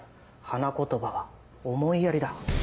花言葉は「思いやり」だ。